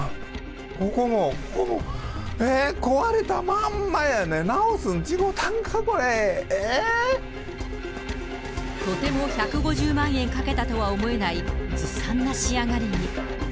ここも、ここも、壊れたまんまやねん、直すんじゃなかったのか、とても１５０万円かけたとは思えないずさんな仕上がり。